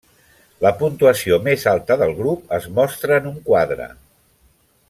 La puntuació més alta del grup es mostra en un quadre.